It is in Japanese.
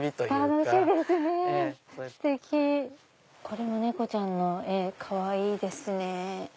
これも猫ちゃんの絵かわいいですね。